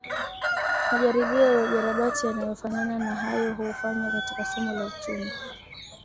Majaribio ya ujarabati yanayofanana na hayo hufanywa katika somo la uchumi